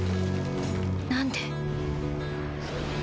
何で。